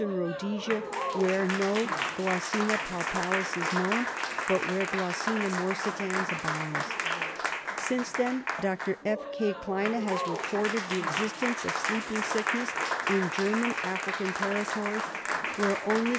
Rhodesia where no G. jmlpalis is known, but where G. morsitans abounds. Since then Dr. F. K. Kleine has recorded the existence of sleeping sickness in German African territory where only G.